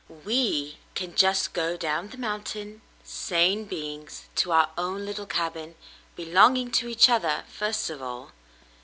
^" "We can just go down the mountain, sane beings, to our own little cabin, belonging to each other first of all."